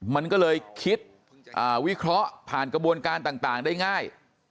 มันก็เลยคิดวิเคราะห์ผ่านกระบวนการต่างได้ง่าย